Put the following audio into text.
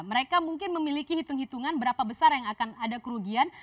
mereka mungkin memiliki hitung hitungan berapa besar yang akan ada kerugian